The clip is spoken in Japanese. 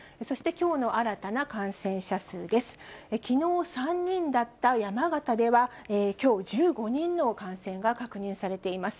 きのう３人だった山形では、きょう１５人の感染が確認されています。